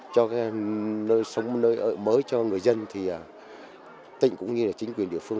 cho cái nơi sống nơi ở mới cho người dân thì tỉnh cũng như là chính quyền địa phương